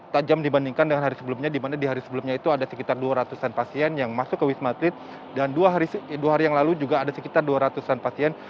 tajam dibandingkan dengan hari sebelumnya di mana di hari sebelumnya itu ada sekitar dua ratus an pasien yang masuk ke wisma atlet dan dua hari yang lalu juga ada sekitar dua ratus an pasien